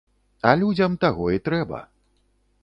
А людзям таго і трэба.